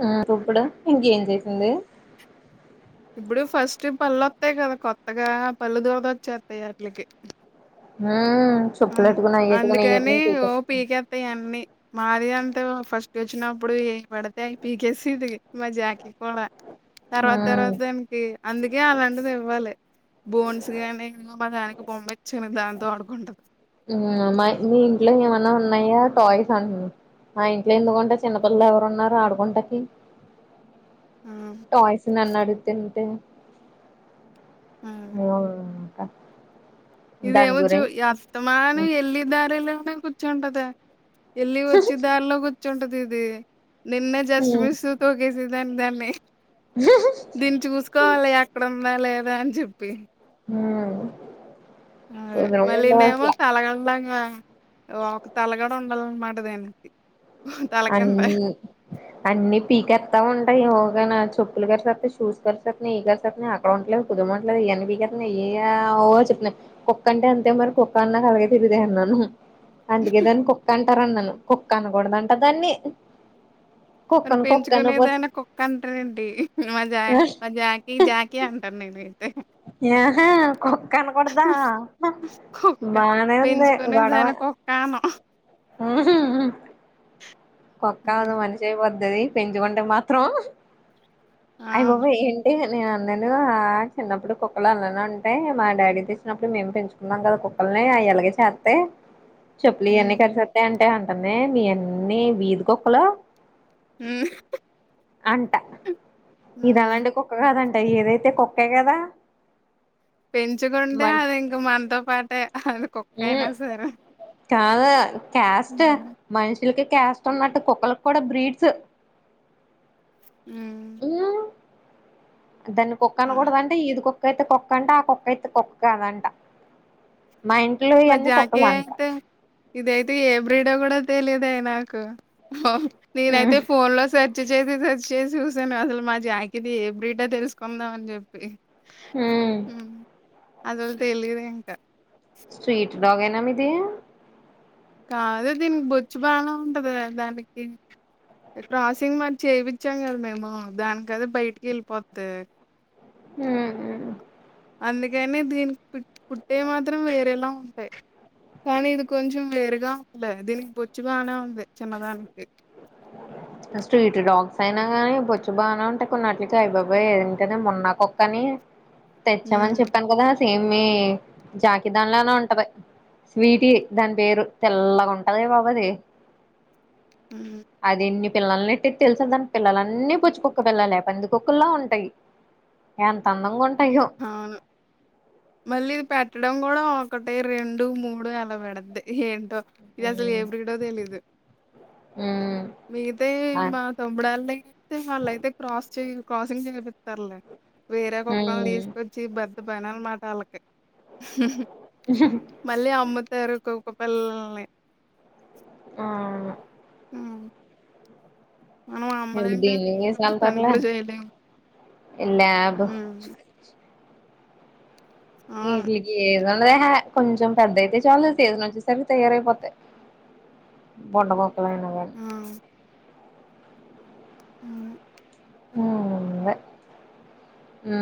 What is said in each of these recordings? హ్మ్మ్ చప్పుడు ఇంకేం చేసింది ఇప్పుడు ఫస్ట్ పళ్ళుొస్తాయి కదా కొత్తగా పళ్ళు దూరద వచ్చేస్తాయి వాట్లకి ఆ అ చెప్పులెట్టుకుని అయ్యేట్టుకుని అందుకని అయ్యేట్టుకుని పీకే ఓ పీకత్తాయి అన్నిీ మాది అంతే ఫస్ట్ వచ్చినప్పుడు ఏం పడితే పీకేసి ఇది మా జాకీ కూడా ఆ తర్వాత తర్వాత దానికి అందుకే అలాంటిది ఇవ్వాదు బోన్స్ గాని దానికి బొమ్మ ఇచ్చింది దాంతో ఆడుకుంటుంది మా మీ ఇంట్లో ఏమన్నా ఉన్నాయా టాయ్స్ అం ఆ ఇంట్లో ఎందుకుంటే చిన్నపిల్లలు ఎవరున్నారు ఆడుకుంటకి ఆ టాయ్స్ నన్ను అడుగుతుంటే అదే అవు ఇకా ఇదేమో చూ అస్తమానం వెల్లి దారిలోనే కూర్చుంటదా ఎళ్లి వచ్చి దారిలో కూర్చుంటది ఇది నిన్నే జస్ట్ మిస్ తోకేసిది దాని దాన్ని దీన్ని చూసుకోవాలి అక్కడ ఉందా లేదా అని చెప్పి హ్మ్మ్ అే మళ్ళీనేమో చలగడాంగా ఒక తలగడ ఉండాలన్నమాట దానికి తల కింద. అన్ని అన్నీ పీకెస్తా ఉంటాయి చెప్పులు కరిస షూస్ కరిసత న కరిసత్ న అక్కడ ఉండలేదు కుదమట్లేదు ఇవని గ ఏ [inaudible] అఓ చెప్పిన కుక్క అంటే అంతే మరి కుక్క అన్నా కలిగే తిరిదే అన్నాను అందుకే దాన్ని కుక్క అంటారున్నాను కుక్క అనకూడద అంట దాన్ని మరి కుక్కను కుక్క పెంచుకునేదైనా కుక్క అంటరెంటి మా అనపోతే జాకీ జాకీ అంటారు నేను తే ఆహా కుక్ కనకూడదా కుక్క బానే ఉంది గొడవ పెంచుకునేదాన్ని కుక్క అనం. ఉహు కుక్క హ్మ్. కాదు మనిషి అయి పొద్ద పెంచుకుంటే మాత్రం ఆ! అయి బాబా ఏంటి నేను అన్నడు చిన్నప్పుడు కుక్కలు అలనే ఉంటాయి మా డాడీ తెచ్చినప్పుడు మేము పెంచుకున్నాం కదా కుక్కలు అయ్యలాగ చేతే చెప్పులు ఇవన్నీ హ్మ్. కరిసేస్తాయి అంటే అంటుంది మీవన్నిీ వీధి కుొక్కలు హ్మ్. అంట ఇది హ్మ్. అలాంటి కుక్కగా కాదంట ఏదైతే కుక్కే కదా పెంచుకుంటే మన్ అది ఇంక మనతో పాటే అది కుక్క మ్మ్ అయినా సరే కాదు క్యాస్ట్ హ్మ్. మనుషులకి క్యాస్ట్ ఉన్నట్టు కుక్కలకి కూడా బ్రీడ్స్ ఉ ఉ దాన్ని కుక్క ఆ! అనకూడద అంటే ఇది కుక్క ఇదైతే కుక్క అంట ఆ కుక్క ఐతే కుక్క కాదంట మా ఇంట్లో మా ఇవన్నీ జాకీ కుక్కలు అంట అయితే ఇదయితే ఏ బ్రీడో కూడా తెలిదు నాకు అవును మ్మ్ నేనైతే ఫోన్ లో సే వచ్చ చేసి వచ్చి చేసి చూసాను అసలు మా జాకిది ఏ బీటో తెలుసుకుందాం అని చెప్పి మ్మ్ హ అసలు తెలీదు ఇంకా స్వీట్ డాగ్ ఏనా మీది కాదు దీనికి బొచ్చు బానే ఉంటది దానికి ప్రాసింగ్ వర్క్ చేప్పిచ్చాం గద మేమూ. దానికదే బయటికి ఎళ్ళిపోద్దీ. హ్ముఊ అందుకని దీనికి పుట్ పుట్టేవి మాత్రం వేరేలా ఉంటాయి. కానీ ఇది కొంచెం వేరుగా ఉందే. దీనికి బొచ్చు బాగనే ఉంది చిన్నదానికి. అ స్ట్రీటు డాగ్స్ అయినా గాని బొచ్చు బాగనే ఉంటాయి. కొన్నాట్లకి అయి బాబోయ్ ఏంటది మొన్నా కుక్కనీ తెచ్చామని హ్మ్ చెప్పాను గదా సేమ్ మీ జాకిదాన్ లానే ఉంటది. స్వీటీ దాని పేరు తెల్లగ ఉంటది బాబు అది. ఊ అది ఎన్ని పిల్లలనెట్టిద్ది తెల్సా దాని పిల్లలన్నీ బొచ్చుకుక్క పిల్లలే పందికొక్కుళ్లా ఉంటయి. ఎంత అందంగ ఉంట్ అవును మళ్ళీ ఇది పెట్టడం గూడా ఒకటీ, రెండు, మూడు అలా పెడద్ది ఏంటో. ఇది అసలు ఉమ్ ఏ బ్రీడో తెలీదు. మిగితయి ఆ మా తమ్ముడాళ్ళైతే వాళ్ళయితే క్రాస్ చెయ్యరు. క్రాసింగ్ చెయ్యిపిత్తారులే. వేరే కుక్కల్ని ఉమ్ తీసుకొచ్చి బెద్ద బెనాలు మాట్ ఆళ్ళకి. మళ్ళీ అమ్ముత్ తారు కుక్క పిల్లల్ని. ఆ అవును హ్మ్. మనం ఇప్పుడు అమ్మలేం కదా! దీన్ని [unintelligible] మనం అంత పని సాల్తర్లే. కూడా చేయలేము. ఇల్లాబ్ హ్మ్. అవును. ఈట్లిల్కీ తొందరహే కొంచెం పెద్దయితే చాలు సీజన్ వచ్చేసరికి తయారయిపోతాయ్. బొండబొక్కలైన గాని ఆ! అవును ఊ ఉండే ఊ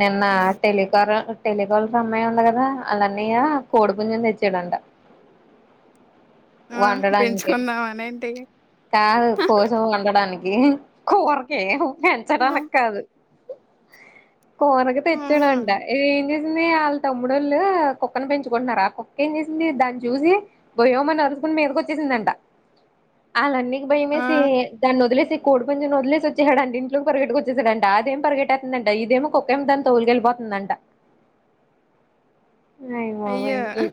నిన్నా హ్మ్. టెలికార టెలికాలర్ సమ్మయ్య ఉండు గదా, ఆళ్ళ అన్నయ్యా కోడిపుంజును తెచ్చాడంట. ఆ! వండడానికి. పెంచుకుందాం అనేంటి? కాదు కోసి వండడానికి. ఈన్ కూరకే ఆ! పెంచడానికి కాదు. కూరకి ఆ! తెచ్చాడంట ఏం చేస్ నిన్నే ఆళ్ళ్ తమ్ముడోళ్ళూ కుక్కను పెంచుకుంటున్నారు ఆ కుక్కేం చేశింది దాన్ని చూసి భయోమని అర్రుస్ తున్ మీదక్ వచ్చేసిందంట. ఆళ్ళన్నయకీ భయమేసీ ఆ! దాన్ని వదిలేస్ తి కోడి పుంజుని వదిలే వచ్చా అంట ఇంట్లో పగట్క వచ్చాడంట అదే పగెటుతుంద అంట ఇదేమ కుక్కేం దా తోలుకెలి పోతుందంట అయి బాబోయ్ అయ్యో! ఇ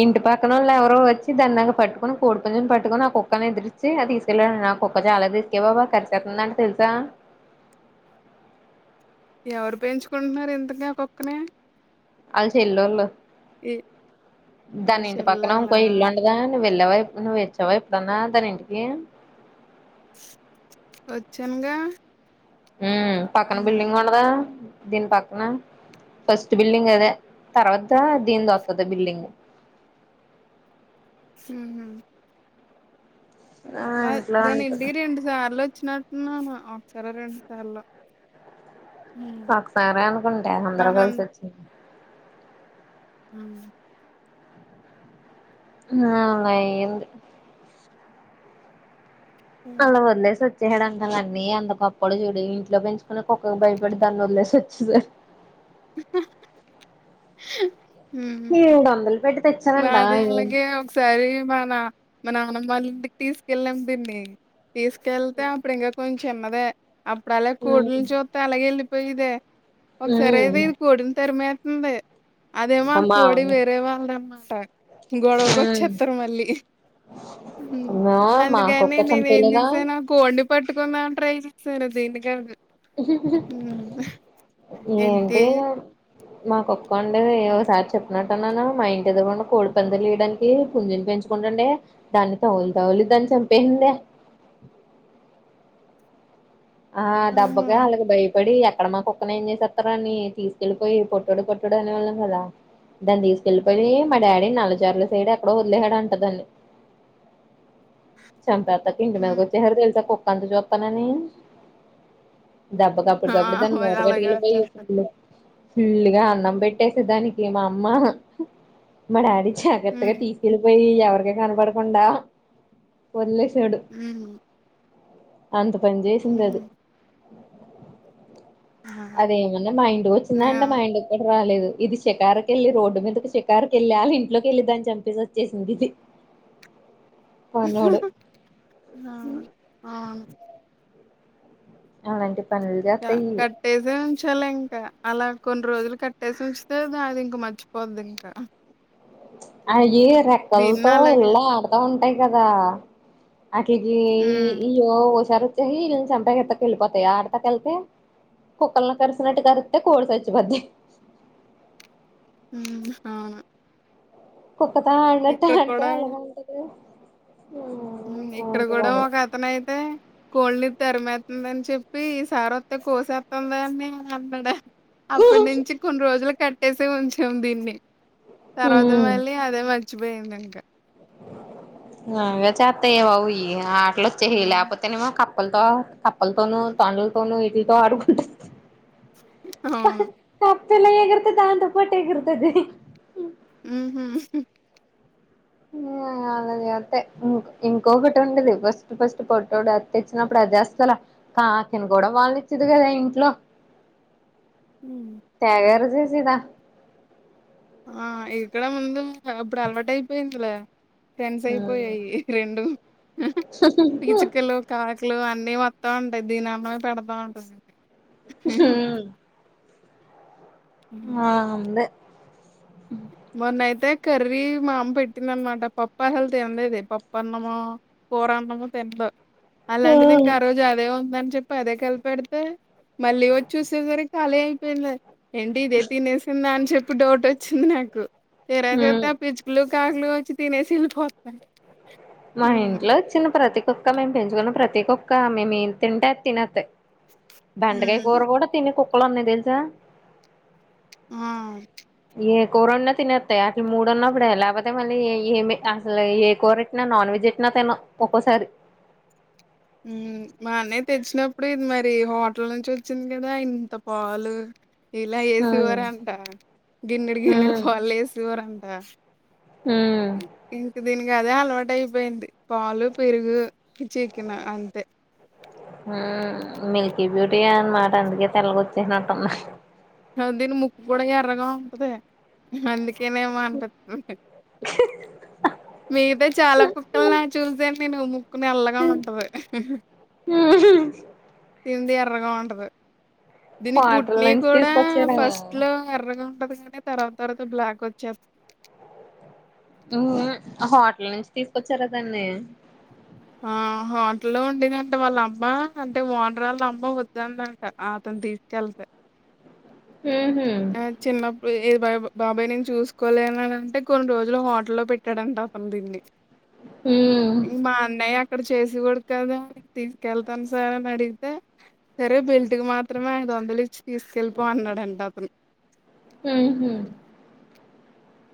ఇంటి పక్కనోళ్ళు ఎవరో వచ్చి దాన్ని పట్టుకొని కోడి పుంజుని పట్టుకొని ఆ కుక్కను ఎదురిచ్చీ ఇగ తీసుకెళ్ళాడి. ఆ కుక్క చాలా రిస్కే బాబు కరిచేస్తుతుందంట తెల్ సా ఎవరు పెంచుకుంటున్నారు ఇంతకీ ఆ కుక్కనీ. ఆళ్ళ చెల్లోళ్ళు. వాళ్ళ దాని ఇంటి పక్కనా చెల్లెలా ఇంకో ఇల్లు ఉండదా. నువ్వు వెళ్ళావా ఎప్, నువ్వు వచ్చావా ఎప్పుడన్నా దాని ఇంటికీ. వచ్చానుగా ఊ పక్కన ఉహు బిల్డింగ్ ఉండదా, దీన్ పక్కనా. ఫస్ట్ బిల్డింగ్ అదే తర్వాతా దీన్దీ వొత్తది బిల్డింగ్. ఊహు ఆ మద్ ఇంట్లో దాన్ని ఉంటున్నా ఇంటికి రెండు సార్లు వచ్చినట్టున్నామా ఆ ఒక సారో, రెండు సార్లో. ఒకసారే అనుకుంటా అందరూ కలిసి వచ్చింది. ఊ ఆవును అయ్యింది అలా వందలేసి వ చెడంటాను, అన్నీ అంతకప్పుడు చూడి ఇంట్లో పెంచుకునే కుక్కకి భయపడి దాన్ని వదిలేసి వచ్చింది. [unintelligible] ఏదొందలు నాలుగొందల కె అలాగే ఒకసారి మన మన మనం వాళ్ళ ఇంటికి తీసుకెళ్ళాం పిన్ని తీసుకెళతే అప్పుడు ఇంకా కొంచెం చిన్నదే. అప్పుడు అలాగ ఉమ్ కోడని చూస్త అలాగే వెళ్ళిపోయిదే. ఒకసారి అయితే ఇది కోడిలు తరిమే ఉంది అదేమో అమ్మా కోడి వేరే వాళ్ళది అనుకుంటా. గొడవకి వచ్చేస్తారు మళ్ళీ. అమ్మా మా అందుకని కుక్క నేను ఏం చంపేయలేదా చూసాను కోడిని పట్టుకున్నాను ట్రైల్ సరే అద ఎందు కాదు హ్మ్. ఏంటి ఏ మాకొక్క పండగ, ఒకసారి చెప్పినట్టు అన్నానావు మా ఇంటి ఎదగరండా కోడి పందాలు వేయడానికి పుంజింటి పెంచుకుంటండి దాన్ని తౌలు తౌలుద్దని చంపేసింది. ఆ ఆహా! డబ్బక అలాగ భై ఇప్పడి ఎక్కడ మా కుక్కనే ఏం చేసేస్తార అని, తీసుకెళ్ళిపోయి పొట్టుడు పొట్టుడు అనేవాళ్ళం కదా! దాన్ని తీసుకెళ్ళిపోయి మా డాడీ నల్లజార్ల సైడ్ ఎక్కడో వదిలేశాడు అంట దాన్ని చంపేతాక ఇంటి మీదకు హ్మ్. వచ్చేశారా గ కుక్క అంతు చూద్దామని. ఆ! దెబ్బకప్పుడికప్పుడు దాను మరి మూట కట్కి అలాగే వెళ్ళిపోయి వచ్చేస్తారు. ఫలు ఫుల్గా అన్నం పెట్టేసే దానికి మా అమ్మ మా డాడీ జాగ్రత్తగా హ్మ్. తీసుకెళ్ళిపోయి ఎవరిక కనపడకుండా వదిలేస్ మ్ అంత పని మ్ చేసింది అది హూ అదేమన్నా మా ఇంటి కి వచ్చిందా అంటె మా నేను ఇంటి కి కూడా రాలేదు. ఇది షికారకు వెళ్ళి రోడ్డు మీదకి షికారకి వెళ్ళి వాళ్ళ ఇంట్లోకి వెళ్ళి దాన్ని చంపసి వచ్చేసింది ఇది. [inaudible] పనోడు ఆ ఆ అవునండి. కట్టేసాం కూచలే ఇంకా అలా కొన్ని రోజులు కట్టేసి ఉంచే అది ఇంక మర్చిపోద్ ఇంకా అయి దీన్ని రెక్కలతో అలాగే ఇల్లా ఆడుతా ఉంటాయి కదా. ఆకేజి హ్మ్. ఇయ్యో హుషారు వచ్చేసి ఈల్ చంపాక ఎతా కెళ్ళిపోతాయా ఆడతా కెల్తే. కుక్కల్ని కర్సినట్ కరిస్తే కోడి సచిపోద్ది. హ్మ్! అవును. కుక్కతో ఆడినట్టు ఇక్కడ ఆడితే కూడా అలాగ ఉంటది. ఊ ఇక్కడ అలాంటి కూడా వాడు ఒక అతను అయితే కోల్ని తర్మెత్ ఉందని చెప్పి ఈ సారి వస్తే కోసేస్తాం అని అన్నాడు. అప్పటి నుంచి కొన్ని రోజులు కట్టేసే ఉంచాం దీన్ని. తర్వాత ఊ మళ్ళీ అదే మర్చిపోయింది ఇంకా. అగా చేత్తాయ బవు ఆట్లు వచ్చాయి ఉమ్, లేకపోతేనేమో క కప్పలతో కప్పలతోనూ తొండలతోనూ ఈటితో ఆడుకుంటాది. అవును కప్పెలా ఎగురుతాద్ది దాంతోపార్టీగురుతాద్ది. ఉ హూ ఆళ్లది అంతే ఇంకొకటి ఉండలే ఫస్ట్ ఫస్ట్ పొట్టోడు అతికిచ్చినప్పుడు. చేస్తల కాకిని కూడా వాళ్ళనిచ్చేది కాదు ఆ ఇంట్లో. తెగారుచేసేదా. ఆ ఇక్కడ ముందు అప్పుడు అలవాటు అయిపోయిందిలే. ఫ్రెండ్స్ అయిపోయాయి రెండు పీచుకలు, కాకి ట్లు అన్నీ వస్తా ఉంటాయి దీని అన్నం పెడతా ఉంటాది. చ్ హు ఆ అంది మొన్నయితే కర్రీ మా అమ్మ పెట్టింద అనమాట పప్ప అ హెల్త్ ఏం లేదు పప్ప అన్నమా కూర అన్నమో తినరు అలాంటిది ఇంకా ఆ రోజు అదే ఉం దని చెప్పి అదే కలిపెడితే మళ్ళీ వచ్చి చూసేసరికి ఖాళీ అయిపోయింది ఏంటి ఇదే తినేసిందా అని చెప్పి డౌట్ వచ్చింది నాకు తీరా చూస్తే ఆ పిచ్చుకలు కాకులు వచ్చి తినేసి వెళ్లిపోతున్నాయి మా ఇంట్లో చిన్న ప్రతి కుక్క మేము పెంచుకున్నాం ప్రతి కుక్క మేము ఏం తింటే అది తినెత్తాయి బెండకాయ హ్మ్ కూర కూడా తిని కుక్కలు ఉన్నాయి తెలుసా ఆ ఏ కూర వండినా తినేస్తాయి అటు మూడున్నప్పుడే లేకపోతే మళ్ళీ ఏం అసలు ఏ కూరెట్టినా నాన్ వెజ్ పెట్టిన తినవ్ ఒక్కోసారి ఉమ్ మా అన్నయ్య తెచ్చినప్పుడు ఇది మరి హోటల్ నుంచి వచ్చింది కదా ఇంత పాలు ఇలా ఉమ్ వేసేవారంట గిన్నెడు గిన్నెడు ఉమ్ పాలు వేసేవారంట ఉమ్ ఇంక దీనికి ఇంకా అదే అలవాటు అయిపోయింది పాలు పెరుగు చికెన్ అంతే ఆ మిల్కీ బ్యూటీ అన్నమాట అందుకే తెల్లగా వచ్చేసినట్టుంది దీని ముక్కు కూడా ఎర్రగా ఉంటది అందుకే నేమో అంట మీతో చాలా కుక్కలు ఉన్నాయి చూసా నేను ముక్కు నల్లగా ఉంటది తింది ఎర్రగా ఉంటది దీనికి హోటల్ పుట్టినీ నుంచి కూడా తీసుకొచ్చారా ఫస్ట్ లో ఎర్రగా ఉంటది కదా తర్వాత తర్వాత బ్లాక్ వచ్చే ఉహూ హోటల్ నుంచి తీసుకొచ్చారు దాన్ని ఆ హోటల్లో ఉండిందంట వాళ్ళ అమ్మ అంటే ఓనరోళ్ళ అమ్మ వద్దందంట ఆ తీసుకెళ్తాయి ఉహు ఆ చిన్నప్పుడు బా బాబాయ్ నేను చూసుకోలేన అంటే కొన్ని రోజులు హోటల్లో పెట్టాడంట అతను దీన్ని ఉమ్ మా అన్నయ్య అక్కడ చేసి కూడా కదా తీసుకెళ్తాను సార్ అని అడిగితే సరే బెల్ట్కీ మాత్రమే అయిదు వందలు ఇ తీసుకెళ్ళిపో అన్నాడంట అతను ఉహూ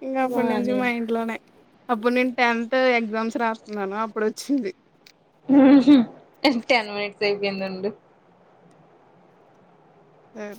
ఇంకా అప్పుటి నుంచి మా ఇంట్లోనే అప్పుడు నేను టెన్త్ ఎగ్జామ్స్ రాస్తూన్నాన అప్పుడు వచ్చింది ఉహూ టెన్ మనిట్స్ అయిపోయిందండి ఉమ్